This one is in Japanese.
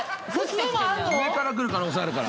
上からくる可能性あるから。